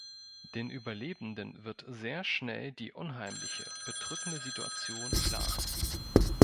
Den Überlebenden wird sehr schnell die unheimliche, bedrückende Situation klar.